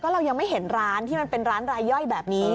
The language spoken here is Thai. เรายังไม่เห็นร้านที่มันเป็นร้านรายย่อยแบบนี้